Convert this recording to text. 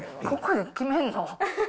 ここで決めんの？